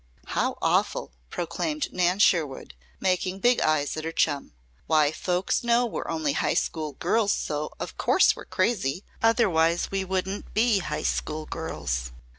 "How awful!" proclaimed Nan Sherwood, making big eyes at her chum. "Why folks know we're only high school girls, so, of course, we're crazy! Otherwise we wouldn't BE high school girls."